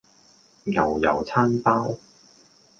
牛油餐包